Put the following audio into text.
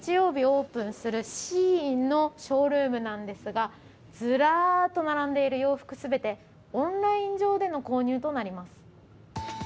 オープンするＳＨＥＩＮのショールームなんですがずらっと並んでいる洋服全てオンライン上での購入となります。